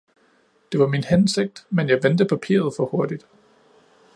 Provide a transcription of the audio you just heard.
Det var min hensigt, men jeg vendte papiret for hurtigt.